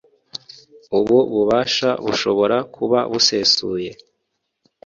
ubu bubasha bushobora kuba busesuye